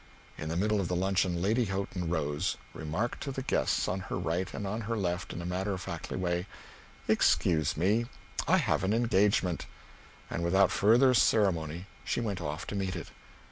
In the middle of the luncheon Lady Houghton rose, remarked to the guests on her right and on her left in a matter of fact way, "Excuse me, I have an engagement," and without further ceremony she went off to meet it.